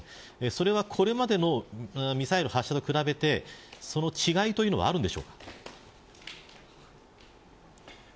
それは、これまでのミサイル発射と比べて違いはあるのでしょうか。